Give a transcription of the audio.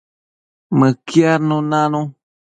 Mëquiadnun nanu